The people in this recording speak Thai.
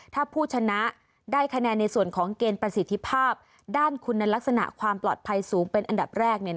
ถ้าผู้ชนะได้คะแนนในส่วนของเกณฑ์ประสิทธิภาพด้านคุณลักษณะความปลอดภัยสูงเป็นอันดับแรก